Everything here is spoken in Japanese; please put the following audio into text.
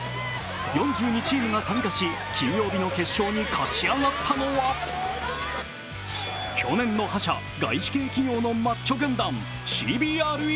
４２チームが参加し、金曜日の決勝に勝ち上がったのは去年の覇者、外資系企業のマッチョ軍団ＣＢＲＥＷａｒｒｉｏｒｓ。